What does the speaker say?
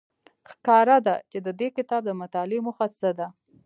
ښکاره ده چې د دې کتاب د مطالعې موخه څه ده.